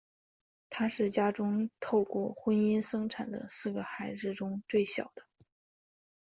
他是家中透过婚姻生产的四个孩子中最小的。